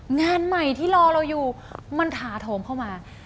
งานใหม่ที่รอเราอยู่มันถาโถมเข้ามา